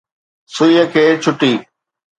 سُئيءَ کي ڇُٽي